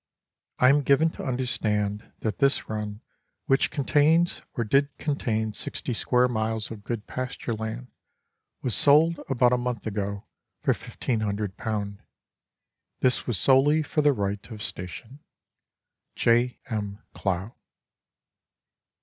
I am given to understand that this run, which contains, or did contain, 60 square miles of good pasture land, was sold about a mouth ago for 1,500. This was solely for the right of station. J. M. CLOW.